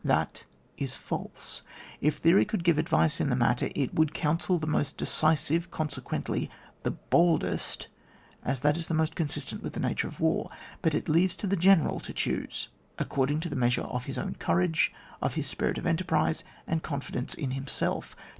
That is false. If theory could give advice in the matter, it would counsel the most decisive, conse quently the boldest, as that is most con sistent with the nature of war; but it leaves to the general to choose according to the measure of his own courage, of his spirit of enterprise, and confidence in himself.